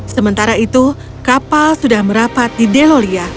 sementara itu kapal sudah merapat di delolia